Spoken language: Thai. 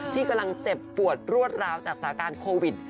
ที่กำลังเจ็บปวดรวดราวจากสาการโควิด